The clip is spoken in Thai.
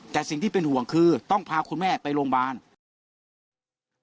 แต่สิ่งที่เป็นห่วงคือต้องพาคุณแม่ไปโรงพยาบาลนะครับ